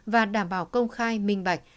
và đảm bảo công khai minh bạch